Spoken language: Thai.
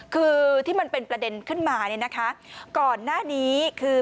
คือที่มันเป็นประเด็นขึ้นมาก่อนหน้านี้คือ